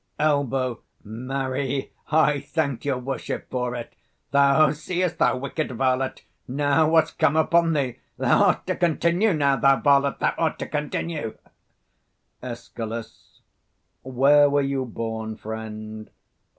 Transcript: Elb. Marry, I thank your worship for it. Thou seest, thou wicked varlet, now, what's come upon thee: thou art 180 to continue now, thou varlet; thou art to continue. Escal. Where were you born, friend?